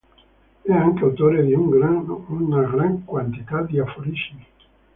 È anche autore di una gran quantità di aforismi.